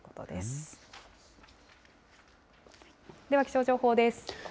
では気象情報です。